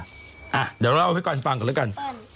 อ่ะเดี๋ยวเราเอาไปก่อนฟังก่อนแล้วกัน